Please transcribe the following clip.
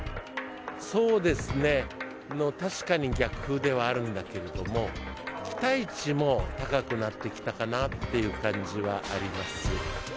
そうですね、確かに逆風ではあるんだけれども、期待値も高くなってきたかなっていう感じはあります。